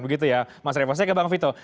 begitu ya mas revo saya ke bang vito